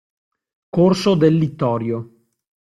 Corso del Littorio.